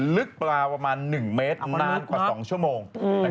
ลึกประมาณหนึ่งเมตรนานกว่า๒ชั่วโมง